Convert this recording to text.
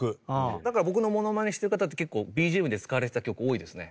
だから僕のモノマネしてる方って結構ＢＧＭで使われてた曲多いですね。